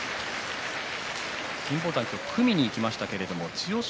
金峰山は今日は組みにいきましたけれども千代翔